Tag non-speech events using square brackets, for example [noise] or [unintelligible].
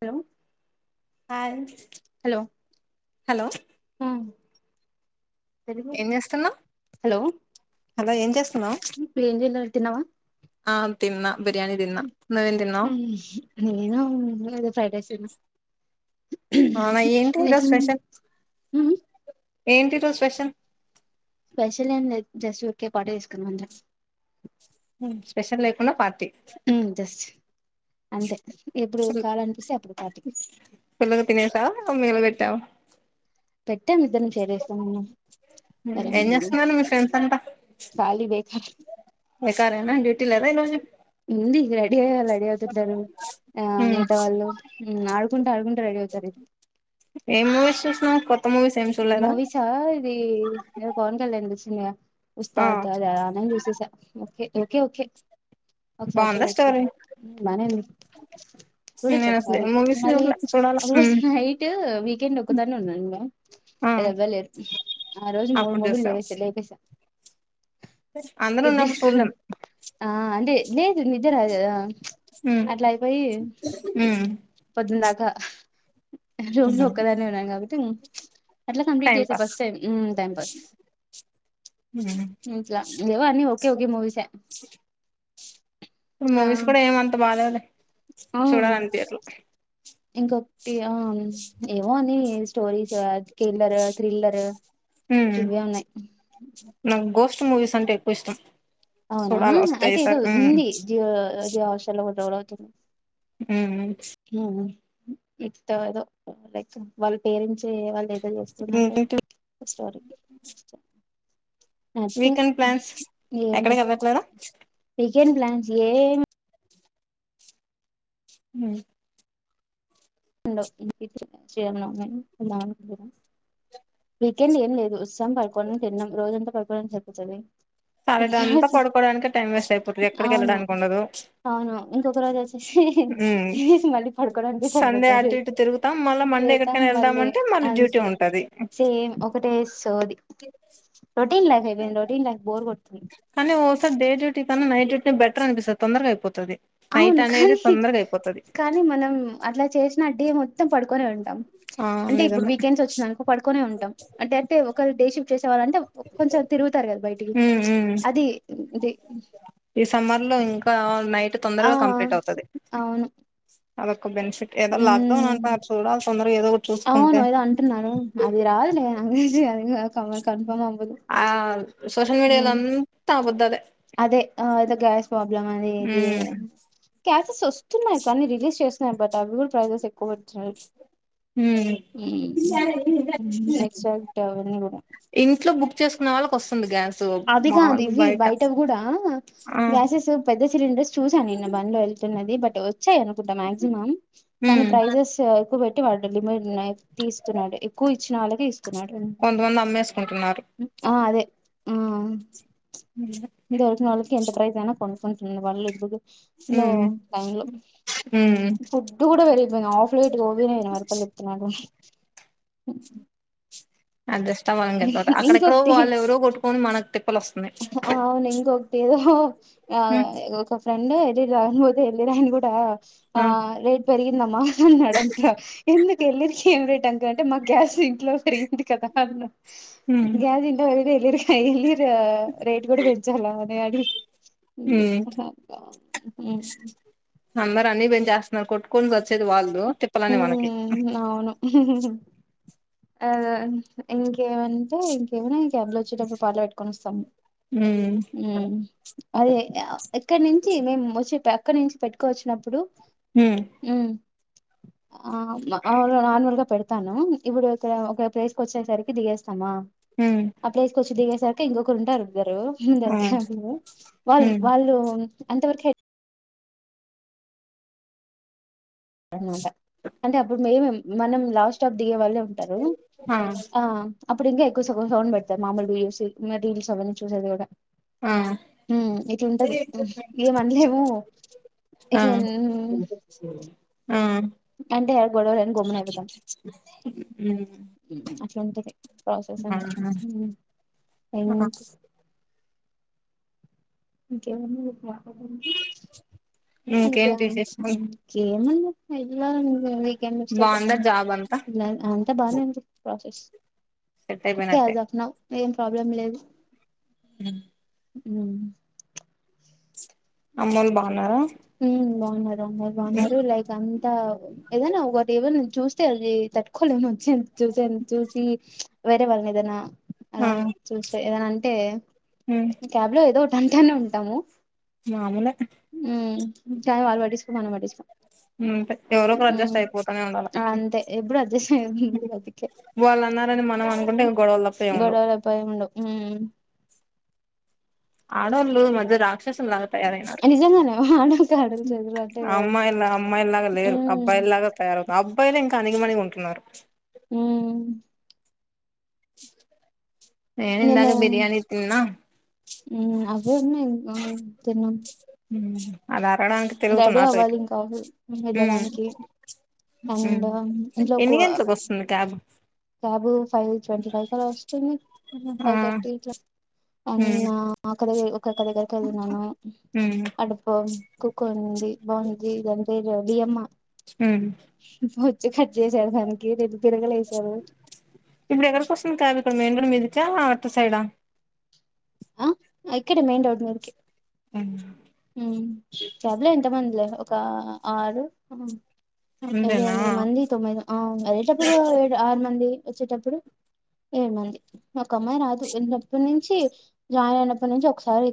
Hello hi hello hello hello hello ఏం చేస్తున్నావు తినవా ఆ తిన్నా తిన్నా నువ్వేం తిన్నావ్ నేను ఏదో ఫ్రైడ్ రైస్ తిన్న అవునా ఏంటి ఇద స్పెషల్ ఏంటి ఈ రోజ్ స్పెషల్ స్పెషల్ ఏం లేదు జస్ట్ పాట తీసుకునం అఅందరం ఊ స్పెషల్ లేకున్నా పార్టీ జస్ట్ అంతే ఎప్పుడు కావాలనిపిస్తే అప్పుడు పార్టీ మెల్లగా తినేసా అమ్ పెట్ టవ్ పెట్టాం ఇద్దరం చేరేస్తాం అన్నాం ఏం చేస్తున్నారు మీ ఫ్రెండ్స్ అంతా ఖాళీ బేకార్ బేకారేనా డ్యూటీ లేద ఈ రోజు ఉంది రెడీ అయ్యేలా రెడీ అవుతుంటారు. ఆ హ్మ్ మిగతా వాళ్ళు ఆడుకుంట ఆడుకుంట రెడీ అవుతారు ఇ కొత్ మూవీసా ఇది మీరు పవన్ కళ్యాణ్ వచ్చిందిగా ఆ [unintelligible] చూసేసా ఓకే ఓకే ఓకే ఒకసారి బాగుందా చూడొచ్చు స్టోరీ బనే ఉంది చూడొచ్చు నేను అసలు ఒకసారి ఏం మూవీస్ మళ్ళీ చూడలే చూడాల ఒక రోజు నైట్ వీకెండ్ ఒక్కదాన్నే ఉన్నా నువ్వ ఆ ఎవ్వలేరు ఆ రోజు అప్పుడు మూడు చూసావు [inaudible] లేపేసా అందరు ఉన్నప్పుడు చూడలేం ఆ అంటే లేదు నిదర హ్మ్ అట్ల అయిపోయి హ్మ్ పొద్దుందాకా రూమ్లో హ్మ్ ఒక్కదాన్నే ఉన్నాను కాబట్టి అట్ల కంప్లీట్ టైం చేసా పాస్ ఫస్ట్ టైం మ్ టైం పాస్ హ్మ్ అట్ల ఏవో అన్ని ఓకే ఓకే మూవీసే [unintelligible] చూడాలన్పి అట్లా ఇంకొక్టి ఆ ఏమో అని స్టోరీస్ కిల్లర్, థ్రిల్లర్ హ్మ్ ఇవే ఉన్నాయి అవు గోస్ట్ మూవీస్ అంటే ఎక్కొ ఇష్టం అవునా చూడాల వస్తాయి అయితే ఏదో ఈసారి ఉమ్ ఉంది జీవ జీవ ఔష మ్ అ నిఖిత ఏదో లైక్ వాళ్ళ పేరెంట్స్ ఏ చేస్తున్నట్ట ఇంకేంటి స్టోరి నొథింగ్ వీకెండ్ ప్లాన్స్ ఎక్కడికి ఏముంటయి. వెళ్ళట్లేదా రిజెన్ ప్లాన్స్ లేవ్ హ్ [unintelligible] వీకెండ్ ఏం లేదు వస్తాం పడుకోడం తిన్నాం రోజంతా పడుకోడానిక్ సరిపోతది. సాటర్డే అంతా పడుకోవడానికే టైం వేస్ట్ అయిపోతది ఎక్కడికి అవును వెళ్ళడానికి ఉండదు అవును ఇంకొక రోజు వచ్చేసి ఉమ్ తినేసి మళ్ళీ పడుకోడానికే సరిపోద్ సండే అటు ఇటు తిరుగుతాం మళ్ళా మండే చేద్దాం ఎక్కడికైనా మళ్ళీ వెళ్దామంటే డ్యూటీ అంతే ఉంటది సేమ్ ఒకటే సోది రొటీన్ లైఫ్ అయిపోయింది. రొటీన్ లైఫ్ బోర్ కొ కానీ ఒకసార్ డే డు టీ కన్న నైట్ డ్యూటీ బెటర్ అనిపిస్తది తొందర్గ అయిపోతది. నైట్ అవును అనేది కానీ తొందరగా అయిపోతది కానీ మనం అట్లా చేసినట్టు డే మొత్తం పడుకొని ఉంటాం ఆ అంటే ఇప్పుడు నిజమే వీకెండ్స్ వచ్చింది అనుకో పడుకోనే ఉంటాం అంటే అయితే ఒక దేశ చవాలంటే కొంచెం తిరుగుతారు కదా బయటికి ఉమ్ ఉమ్ అది ఈ సమ్మర్ లో ఇంకా ఆల్ నైట్ ఆ తొందరగా కంప్లీట్ అవుతుంది [unintelligible] ఉ తొందరగా ఏదో ఒకటి అవును చూసుకుంటే ఏదో అంటున్నాను అది రాదు నది కన్ఫర్మ్ అవ్వదు ఆ సోషల్ మీడియాల ఉమ్ అంతా అబద్ధాలే అదే ఇద ప్రాబ్లం అనే ఇది ఉమ్ క్యాసెస్ వస్తున్నాయి కానీ రిలీజ్ చేస్తున్నాయి బట్ అవి కూడా ప్రైజెస్ ఎక్కువ పెడుతున్నా ఉమ్ హు ఎక్స్ టెన్ కూడాడ చేసుకునే వాళ్ళకి వస్తుంది గ్యాస్ అదిగా అది ఇవి బయట కూడా ఆ గ్యాసెస్ పెద్ద సిలిండర్స్ చూసాను నిన్న బండ్లు వెళ్తున్నది బట్ ఎవరు వచ్చాయి అనుకుంట మాక్సిమం కానీ ఉమ్ ప్రైజెస్ ఎక్కువ పెట్ వా లిమిట్ తీస్తున్నాడు ఎక్కువ ఇచ్చిన అలాగే కొంతమంది అమ్మేసుకుంటున్నారు ఉ ఈ రోజు నళ్ళకి ఎంత ప్రైస్ కొ ఉంటుంది వాళ్ళ ఎపుడు లో ఉమ్ ఉమ్ ఫుడ్ కూడా వెరిగిపోయింది ఆఫ్ లైట్ వయిన వరపలు [unintelligible] చెప్తున్నాడు అడ్జస్ట్ అవ్వాలని గపోతే అక్కడెక్కడో ఇంకొకటి వాళ్ళు ఎవరో కొట్టుకొని మనకు తిప్పలు వస్తున్నాయి అవును ఇంకొకటి ఏదో ఆ ఉమ్ ఒక ఫ్రెండ్ అది ఇద [unintelligible] ఎల్ రాయని కూడా ఆ రేట్ పెరిగిందిఅమ్మ అన్నాడంట ఎందుక ఎలిర్కి ఏం రేట్ అంత ఎందుంటే మా గ్యాస్ ఇంట్లో పెరిగింది కదా అన్న ఉమ్ గ్యాజింట [unintelligible] వరది ఎలిర్ క ఇలిర్ రేట్ కూడా ఏ రెడీ ఉమ్ హుమ్ అందరి అన్ని పెంచేస్తున్నారు కొట్కొని సచ్చేది వాళ్ళు తిప్పలని మనకి ఉమ్ అవును ఆ ఇంక్ ఇంకేమంటె ఇంకేమున్నయ్ [unintelligible] వచ్చేటప్పుడు పాటలు పెట్టుకొని వస్తాం హుమ్ అదే గా ఇక్కడ నుంచి మేము వచ్చే పా అక్కడి నుంచి పెట్టుకోవచ్చినప్పుడు ఉమ్ అ ఆ ననూలుగా పెడు స్తాను ఇప్పుడు ఒక ఒక ప్లేస్ క వచ్చేసరికి దిగేస్తా హ్మ్ అప్పుేసుకోచ్చు ది సాక ఇకొకరుంటారు ఇద్దరు ముందరి ఆ క వాళ్ళు హ్మ్ వాళ్ళు అంత వరకు అనమాట అంటే అప్పుడు మేముే మనం లాస్ట్ స్టాప్ దిగే వాళ్ళ అంటారు ఆ అప్పుడు ఇంకా ఎక్కువ సగా సౌండ్ పెడతారు మామూలు వయూ రీల్స్ అవన్నీ చూసేది కూడా ఆ హ ఇట్లుంటది ఏమనలేము ఆ ఇట్లా ఆ అంటే ఎ గొడవని గూమనయిపోదా హ్మ్ చంటది ప్రోసెస్ ఎంత అవునా. ఎ ఆ ఇకేకు అదా ఇంకేంటి విశేషాలు చేమన్నా ఎలా క్ బాగుందా జాబ్ అంతా అంత బాగానే ఉంది ప్రాసెస్ సెట్ అయిపోయినట్టే ఆఫ్ న ఏ ప్రాబ్లం లేదు హ ఉ అమ్మోలు బాన్నార బావున్నారు అందరూ బావున్నారు లైక్ అంతా ఏదనా ఒకటి ఏవ చూస్తే అది తట్టుకోలేము చూసేంత చూసి వేరే వాళ్ళని ఏదైనా అద ఆ చూ సే ఏద టె హ్మ్. క్యాబ్ లో ఏదో వెంటేనే ఉంటాము మాములు చాయ వాళ్ళ వాడిటిసుకో మనం వాడిసుకో అంతే ఎవరు ఒకరు అడ్జస్ట్ అయిపోతానే ఉండాలి అంతే ఎప్పుడు అడ్జస్ట్ అయ్యే బతికే వాళ్ళు అన్నారని మనం అనుకుంటే ఇ గొడవలు తప్ప ఏం ఉండవు హ్మ్మ్ ఆడోళ్లు ఈ మధ్య రక్ష లాగా తయారయినరు నిజంగానే వానకి ఆడోళ్ళ చేతులు అంటే అమ్మాయిలు అమ్మాయిలాగా లేరు హ్మ్ అబ్బాయిలాగా తయారవుతున్నారు అబ్బాయిలు ఇంకా అనిగి మనిగి ఉంటున్నారు హ్మ్మ్ నేను నిన్న ఇందగా బిర్యానీి తిన్న [inaudible] అగు తిన్న అద రెడీ అవ్వాలి ఇంకా ఉమ్ వెళ్ళడానికి అండ్ ఉమ్ ఇంట్లో ఒక ఎన్ని గంటలకు వస్తుంది క్యాబ్ క్యాబ్ ఫైల్ ట్వంటీ ఫైవ్ కలా వస్తుంది ఆ ఫైవ్ థర్టీ ఉమ్ అండ్ అక్క దగ ఒకక్క దగ్గరికి వెళ్ళినను ఉమ్ అ అ తక్కుకోండి బాగు ఇదంతే ఒడియమ్మ హ్మ్మ్ చెట్టటి సాడ్నికిలు [inaudible] ఇప్పుడు ఎవరికోసం కాగా తుంది ఎండల మీది చాల అటు సైడ్ ఆ ఆ ఇక్కడ మెయిన్ రోడ్ మీదికి అ ఉ క్యాబ్లే ఎంత మందిలే ఒక ఆరు ఏడు అంతేనా ఎనిమిది మంది తొంభైది ఆ రేటప్పుడు ఏడు ఆరు మంది వచ్చేటప్పుడు ఏడు మంది ఒక అమ్మాయి రాదు ఎన్నప్పటి నుంచి జాయిన్ అయినప్పటి నుంచి ఒకసారి ఎ